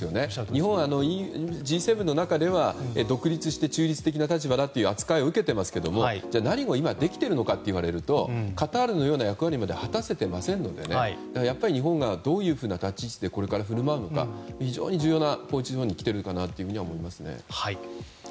日本はＧ７の中では独立して中立的な立場だという扱いを受けていますけど、じゃあ何か今できているのかというとカタールのような役割まで果たせていませんからやっぱり日本がどういうふうな立ち位置でこれから振る舞うのか非常に重要なところに来ているかなと思います。